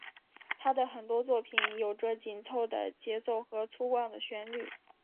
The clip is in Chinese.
他的很多作品有着紧凑的节奏和粗犷的旋律。